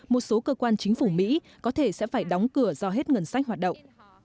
một số cơ quan chính phủ mỹ có thể sẽ phải đóng cửa do hết ngân sách hoạt động